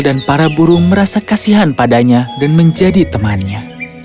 para burung merasa kasihan padanya dan menjadi temannya